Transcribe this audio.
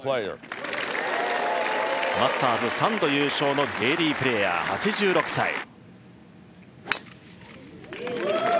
マスターズ３度優勝のゲーリー・プレーヤー、８６歳。